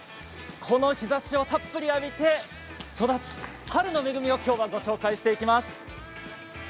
この日ざしをたっぷり浴びて育つ春の恵みをきょうはご紹介していきます。